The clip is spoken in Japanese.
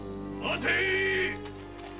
待て！